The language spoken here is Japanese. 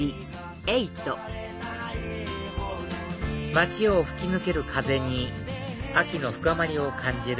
街を吹き抜ける風に秋の深まりを感じる